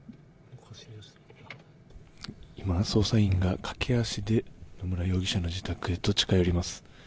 今、捜査員が駆け足で野村容疑者の自宅へと近寄ります。